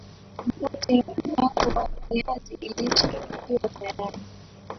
mkate wako wa viazi lishe ukiwa tayari